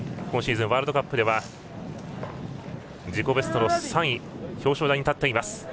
今シーズン、ワールドカップでは自己ベストの３位表彰台に立っています。